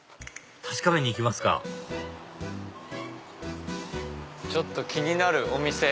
確かめに行きますかちょっと気になるお店。